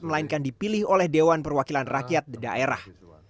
melainkan dipilih oleh dewan perwakilan rakyat daerah